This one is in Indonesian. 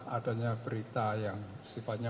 adanya berita yang sifatnya